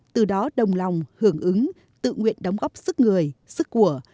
từ đó đồng lòng hưởng ứng tự nguyện đóng góp sức người sức của